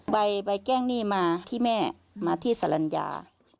ใบแจ้งหนี้มาที่แม่มาที่สรรญา